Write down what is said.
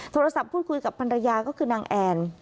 โทรศัพท์พูดคุยกับภรรยาก็คือนางแอน